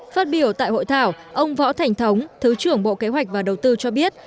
phát biểu tại hội thảo ông võ thành thống thứ trưởng bộ kế hoạch và đầu tư cho biết